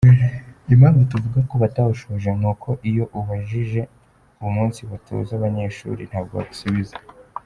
Impamvu tuvuga ko batawusohoje ni uko iyo ubabajije umunsi batoza abanyeshuri, ntabwo bagusubiza.